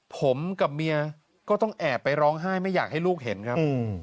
ผมกับเมียก็ต้องแอบไปร้องไห้ไม่อยากให้ลูกเห็นครับ